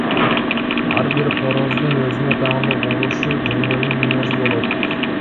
Ар бир короздун өзүнө таандык урушуу жөндөмү, мүнөзү болот.